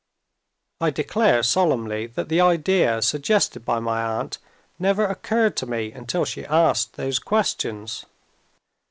I declare solemnly that the idea suggested by my aunt never occurred to me until she asked those questions.